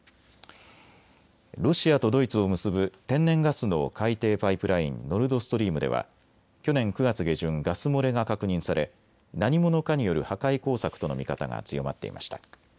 ロシアとドイツを結ぶ天然ガスの海底パイプライン、ノルドストリームでは去年９月下旬、ガス漏れが確認され何者かによる破壊工作との見方が強まっていました。